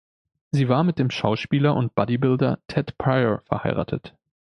Sie war mit dem Schauspieler und Bodybuilder Ted Prior verheiratet.